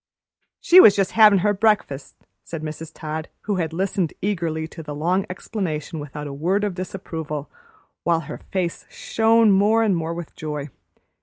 "She was just havin' her breakfast," said Mrs. Todd, who had listened eagerly to the long explanation without a word of disapproval, while her face shone more and more with joy.